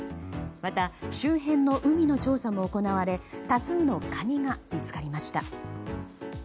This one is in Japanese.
また周辺の海の調査も行われ多数のカニが見つかりました。